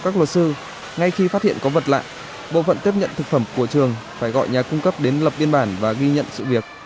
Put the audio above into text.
các luật sư ngay khi phát hiện có vật lạ bộ phận tiếp nhận thực phẩm của trường phải gọi nhà cung cấp đến lập biên bản và ghi nhận sự việc